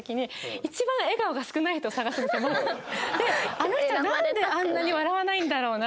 あの人はなんであんなに笑わないんだろうな？